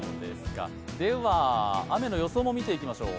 では、雨の予想も見ていきましょう。